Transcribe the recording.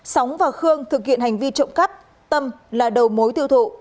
sóng và khương thực hiện hành vi trộm cắp tâm là đầu mối tiêu thụ